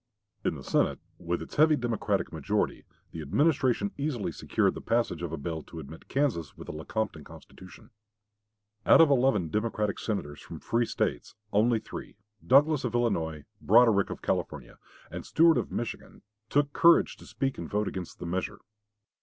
In the Senate, with its heavy Democratic majority, the Administration easily secured the passage of a bill to admit Kansas with the Lecompton Constitution. Out of eleven Democratic Senators from free States, only three Douglas of Illinois, Broderick of California, and Stuart of Michigan took courage to speak and vote against the measure.